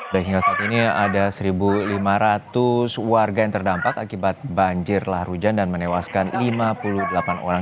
dan hingga saat ini ada satu lima ratus warga yang terdampak akibat banjir laru jan dan menewaskan lima puluh delapan orang